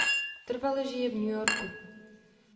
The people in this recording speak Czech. Trvale žije New Yorku.